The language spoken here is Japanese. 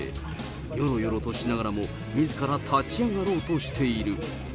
よろよろとしながらも、みずから立ち上がろうとしている。